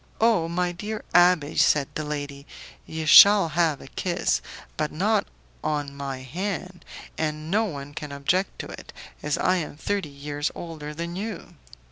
"Oh, my dear abbé!" said the lady, "you shall have a kiss, but not on my hand, and no one can object to it, as I am thirty years older than you."